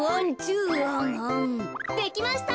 できました！